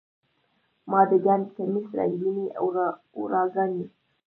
زما د ګنډ کمیس رنګینې ارواګانې،